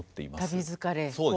旅疲れ。